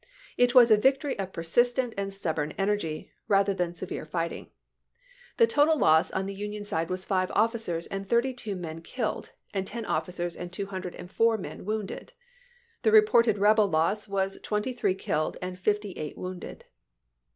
It was a victory of jf^ p^jfrt ' persistent and stubborn energy rather than severe ^^"^^^^"'^' fighting. The total loss on the Union side was five «? cou"d officers and thirty two men killed and ten ofiicers ®o^Rep"re ^ and two hundred and four men wounded. The w. r. reported rebel loss was twenty three killed and p.'isg.' fifty eight wounded.